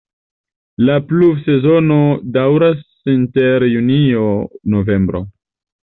La pluvsezono daŭras inter junio-novembro.